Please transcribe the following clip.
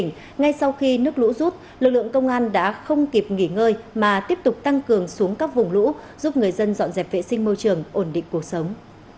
ngay sau khi nước lũ rút lực lượng công an đã không kịp nghỉ ngơi mà tiếp tục tăng cường xuống các vùng lũ giúp người dân dọn dẹp vệ sinh môi trường ổn định cuộc sống